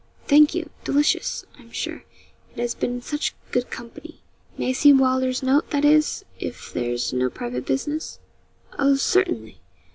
'Thank you delicious, I'm sure, it has been in such good company. May I see Wylder's note that is, if there's no private business?' 'Oh, certainly.'